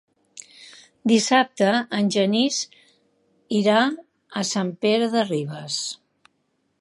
Dissabte en Genís irà a Sant Pere de Ribes.